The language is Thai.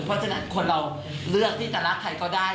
เพราะฉะนั้นคนเราเลือกที่จะรักใครก็ได้